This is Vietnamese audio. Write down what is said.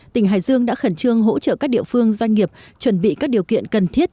tỉnh hải dương đã khẩn trương hỗ trợ các địa phương doanh nghiệp chuẩn bị các điều kiện cần thiết